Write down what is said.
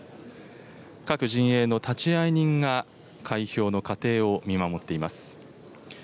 各陣営の立会人が、開票の過程を見守っています。